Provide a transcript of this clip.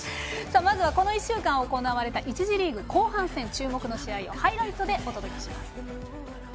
まずは、この１週間行われた１次リーグ後半戦、注目の試合をハイライトでお届けします。